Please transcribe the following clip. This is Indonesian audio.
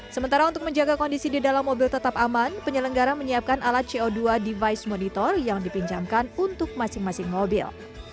sementara untuk menjaga kondisi di dalam mobil tetap aman penyelenggara menyiapkan alat co dua device monitor yang dipinjamkan untuk masing masing mobil